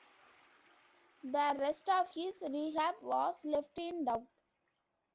The rest of his rehab was left in doubt.